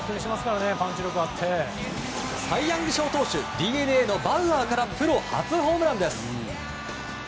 サイ・ヤング賞投手、ＤｅＮＡのバウアーからプロ初ホームランです。